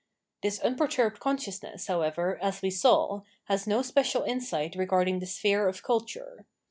This unperturbed consciousness, however, as we saw, has no special insight regarding the sphere of culture.